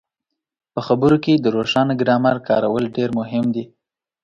په خبرو کې د روښانه ګرامر کارول ډېر مهم دي.